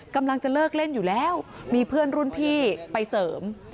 กำลังจะเลิกเล่นอยู่แล้วมีเพื่อนรุ่นพี่ไปเสริม